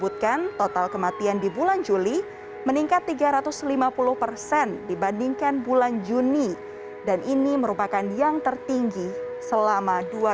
tingginya kasus positif covid sembilan belas juga membuat keteguhan